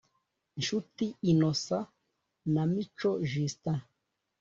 Nshuti Innnocent na Mico Justin